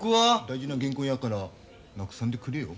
大事な原稿やからなくさんでくれよ。